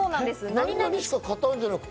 「何々しか勝たん」じゃなくて？